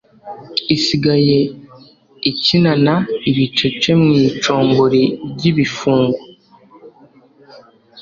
Isigaye ikinana ibicece mu icongori ryibifungo